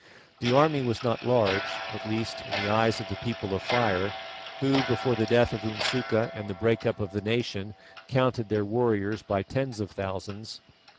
The army was not large, at least in the eyes of the People of Fire who, before the death of Umsuka and the break up of the nation, counted their warriors by tens of thousands.